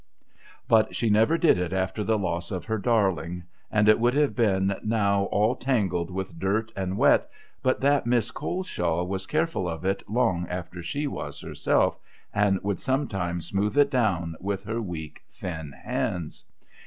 But she never did it after the loss of her darling ; and it would have been now all tangled with dirt and wet, but that Miss Coleshaw was careful of it long after she was herself, and would sometimes smooth it down with her weak, thin hands.